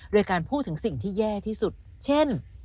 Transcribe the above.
โดยการพูดถึงสิ่งที่แย่ที่สุดเช่น